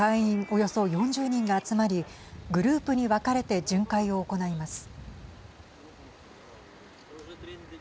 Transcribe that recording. およそ４０人が集まりグループに分かれて巡回を行います。